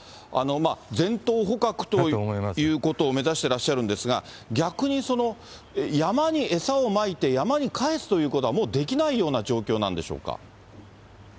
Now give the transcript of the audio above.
全頭捕獲ということを目指してらっしゃるんですが、逆にその、山に餌をまいて、山に帰すということは、もうできないような状況なんでしょうか。